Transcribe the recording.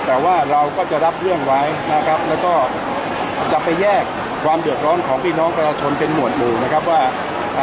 แต่ว่าเราก็จะรับเรื่องไว้นะครับแล้วก็จะไปแยกความเดือดร้อนของพี่น้องประชาชนเป็นหมวดหมู่นะครับว่า